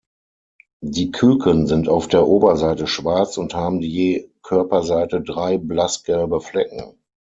Die Küken sind auf der Oberseite schwarz und haben je Körperseite drei blassgelbe Flecken.